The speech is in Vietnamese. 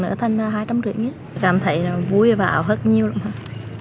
là thành hai trăm năm mươi cảm thấy vui và ảo hức nhiều lắm